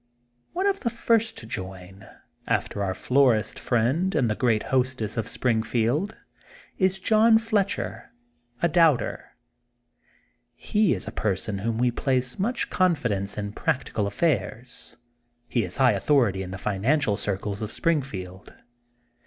One of the first to join, after our florist friend and the great hostess of Springfield, is John Fletcher, a Doubter. He is a person in whom we place much confidence in practical affairs. He is high authority in the financial circles of Springfield.